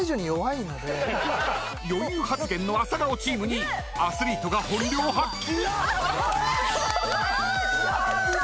余裕発言の「朝顔」チームにアスリートが本領発揮？